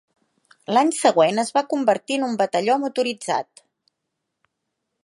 L'any següent es va convertir en un batalló motoritzat.